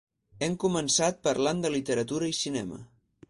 Hem començat parlant de literatura i cinema.